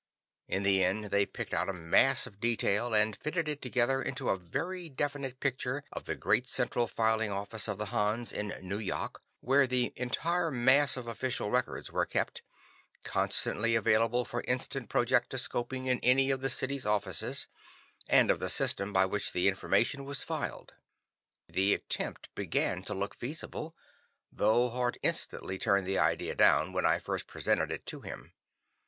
In the end they picked out a mass of detail, and fitted it together into a very definite picture of the great central filing office of the Hans in Nu yok, where the entire mass of official records was kept, constantly available for instant projectoscoping to any of the city's offices, and of the system by which the information was filed. The attempt began to look feasible, though Hart instantly turned the idea down when I first presented it to him.